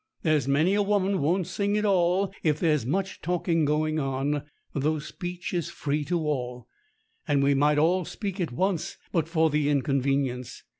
There's many a woman won't sing at all if there's much talking going on, though speech is free to all, and we might all speak at once but for the in convenience.